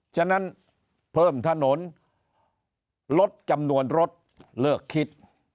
ฉะนั้นเพิ่มถนนลดจำนวนรถเลิกคิด